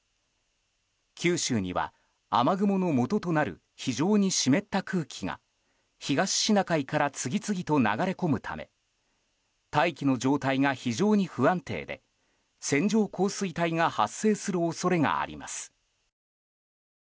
九州には、雨雲のもととなる非常に湿った空気が東シナ海から次々と流れ込むため大気の状態が非常に不安定で線状降水帯が発生する恐れがあります。